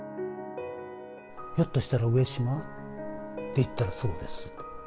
ひょっとしたら上島？って言ったら、そうですと。